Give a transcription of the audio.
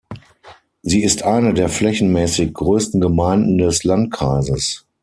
Sie ist eine der flächenmäßig größten Gemeinden des Landkreises.